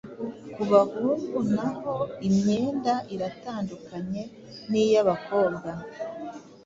Ku bahungu na ho imyenda iratandukanye n’iy’abakobwa